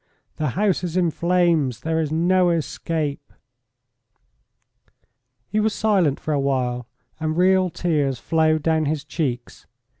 The house is in flames; there is no escape." He was silent for a while, and real tears flowed down his cheeks.